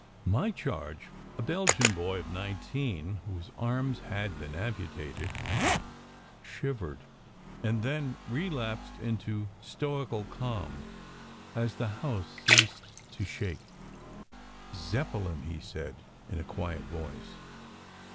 My charge, a Belgian boy of nineteen whose arms had been amputated, shivered and then relapsed into stoical calm as the house ceased to shake. "Zeppelin," he said, in a quiet voice.